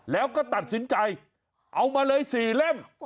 แล้วก็ตัดสินใจเอามาเลย๔เล่ม